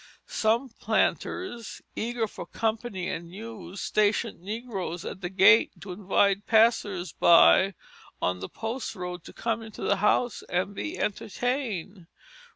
Some planters, eager for company and news, stationed negroes at the gate to invite passers by on the post road to come into the house and be entertained.